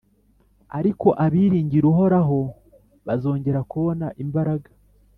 Ariko abiringira Uhoraho, bazongera kubona imbaraga: